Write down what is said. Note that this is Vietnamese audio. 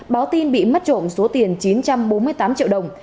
báo tin bị mất trộm số tiền chín trăm bốn mươi tám triệu đồng